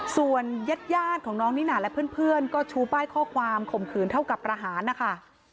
ส่วนญาติของน้องนิน่าและเพื่อนก็ชูป้ายข้อความข่มขืนเท่ากับประหารนะคะ